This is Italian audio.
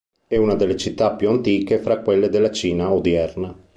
È una delle città più antiche fra quelle della Cina odierna.